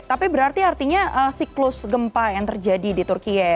tapi berarti artinya siklus gempa yang terjadi di turkiye